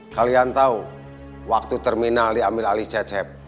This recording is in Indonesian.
kalian tahu waktu terminal diambil alih cecep